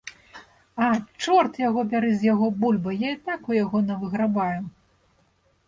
А, чорт яго бяры з яго бульбай, я і так у яго навыграбаю.